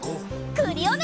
クリオネ！